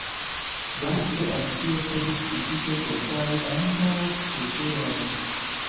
Danke al tio povis kritike kompari ambaŭ kulturojn.